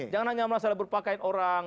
jangan hanya masalah berpakaian orang